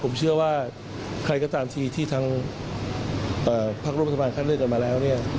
ผมเชื่อว่าใครก็ตามที่ที่ทั้งพักรุงประสบาลคันเรียนกันมาแล้ว